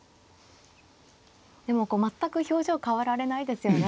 でもこう全く表情変わられないですよね。